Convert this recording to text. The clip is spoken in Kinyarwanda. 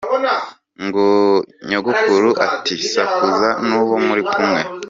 Nyogokuru ati “Sakuza n’uwo muri kumwe.